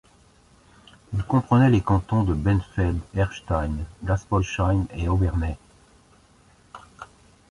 Il comprenait les cantons de Benfeld, Erstein, Geispolsheim et Obernai.